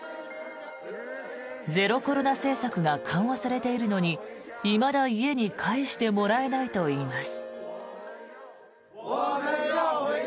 ゼロコロナ政策が緩和されているのにいまだ家に帰してもらえないといいます。